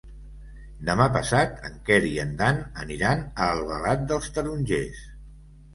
Demà passat en Quer i en Dan aniran a Albalat dels Tarongers.